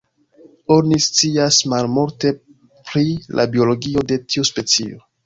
Oni scias malmulte pri la biologio de tiu specio.